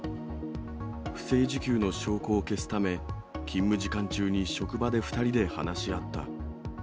不正受給の証拠を消すため、勤務時間中に職場で２人で話し合った。